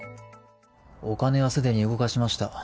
お金はすでに動かしました。